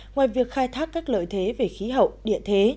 ngoài việc khai thác các lợi thế về khí hậu địa thế